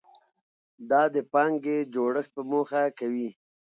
دا د پانګې جوړښت په موخه کوي.